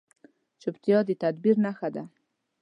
چپتیا، د تدبیر نښه ده.